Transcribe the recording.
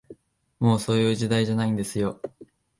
もう、そういう時代じゃないんですよ